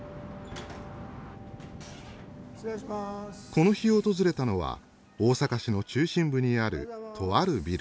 この日訪れたのは大阪市の中心部にあるとあるビル。